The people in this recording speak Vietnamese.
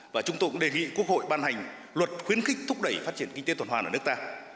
và chúng tôi cũng đề nghị quốc hội ban hành luật khuyến khích thúc đẩy phát triển kinh tế tuần hoàn ở nước ta